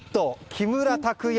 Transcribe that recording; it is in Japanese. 木村拓也